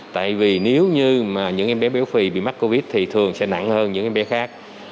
tại vì nếu như mà những em béo phì bị mắc covid thì thường sẽ nặng hơn những bé khác